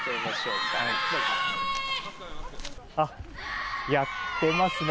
あ、やっていますね。